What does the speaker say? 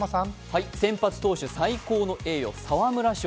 先発投手最高の栄誉、沢村賞。